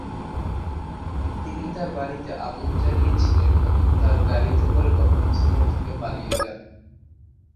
তিনি তার বাড়িতে আগুন জ্বালিয়ে ছিলেন এবং তার গাড়িতে করে ঘটনাস্থল থেকে পালিয়ে যান।